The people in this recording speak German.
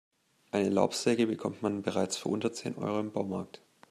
Eine Laubsäge bekommt man bereits für unter zehn Euro im Baumarkt.